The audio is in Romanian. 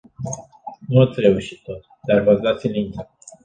Nu ați reușit tot, dar v-ați dat silința.